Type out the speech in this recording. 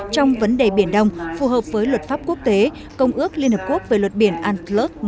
trong vấn đề biển đông phù hợp với luật pháp quốc tế công ước liên hợp quốc về luật biển antler một nghìn chín trăm tám mươi hai